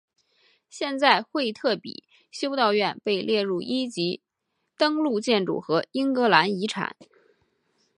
现在惠特比修道院被列入一级登录建筑和英格兰遗产。